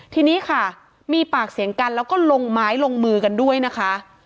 ทีนี้ค่ะมีปากเสียงกันแล้วก็ลงไม้ลงมือกันด้วยนะคะ